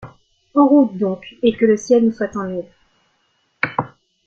En route donc, et que le ciel nous soit en aide!